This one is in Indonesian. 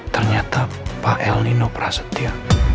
ternyata pak el nino prasetya